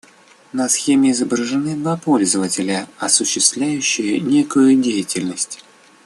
На схеме изображены два пользователя, осуществляющие некую деятельность